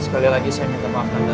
sekali lagi saya minta maaf anda